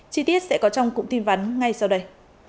chi tiết sẽ có trong cụm tin vắn ngay sau đây